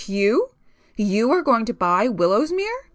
"You? You are going to buy Willowsmere?"